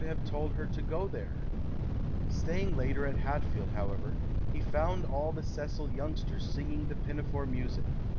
have told her to go there ?" Staying later at Hatfield, however, he found all the Cecil youngsters singing the Pinafore music.